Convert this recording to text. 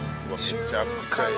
めちゃくちゃいい。